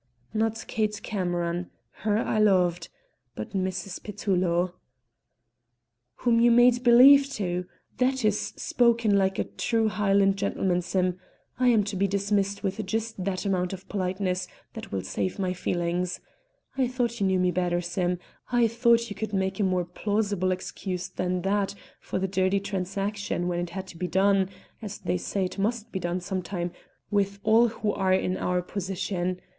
"Not Kate Cameron her I loved but Mrs. Petullo." "Whom you only made believe to? That is spoken like a true Highland gentleman, Sim. I'm to be dismissed with just that amount of politeness that will save my feelings. I thought you knew me better, Sim. I thought you could make a more plausible excuse than that for the dirty transaction when it had to be done, as they say it must be done some time with all who are in our position.